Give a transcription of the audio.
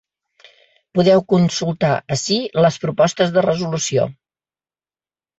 Podeu consultar ací les propostes de resolució.